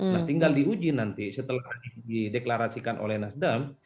nah tinggal diuji nanti setelah dideklarasikan oleh nasdem